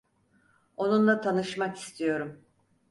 Onunla tanışmak istiyorum.